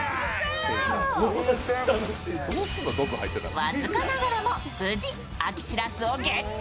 僅かながらも無事、秋しらすをゲット。